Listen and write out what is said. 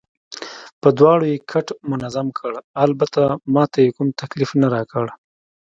په دواړو یې کټ منظم کړ، البته ما ته یې کوم تکلیف نه راکړ.